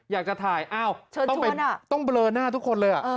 อยากจะถ่ายอ้าวต้องเบลอหน้าทุกคนเลย